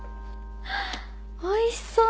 あおいしそう！